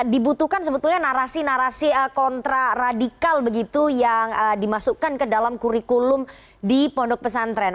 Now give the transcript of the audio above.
dibutuhkan sebetulnya narasi narasi kontraradikal begitu yang dimasukkan ke dalam kurikulum di pondok pesantren